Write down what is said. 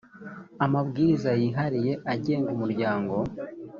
amabwiriza yihariye agenga umuryango